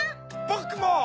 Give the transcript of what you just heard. ぼくも！